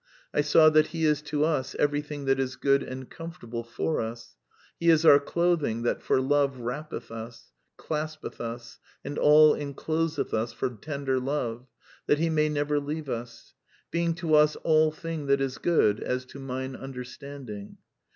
" I saw that He is to us everything that is good and comfort able for us: He is our clothing that for love wrappeth us, claspeth us, and all encloseth us for tender love, that He may never leave us; being to us aU thing that is good, as to mine understanding.